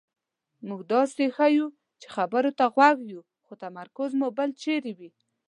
مونږ داسې ښیو چې خبرو ته غوږ یو خو تمرکز مو بل چېرې وي.